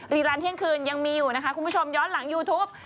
รีรันเที่ยงคืนยังมีอยู่นะคะคุณผู้ชมย้อนหลังยูทูป